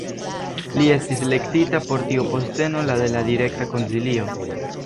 Li estis elektita por tiu posteno la de la Direkta Konsilio.